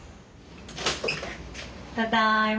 ただいま。